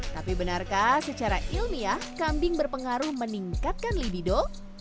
tapi benarkah secara ilmiah kambing berpengaruh meningkatkan libido